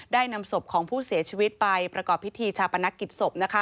นำศพของผู้เสียชีวิตไปประกอบพิธีชาปนกิจศพ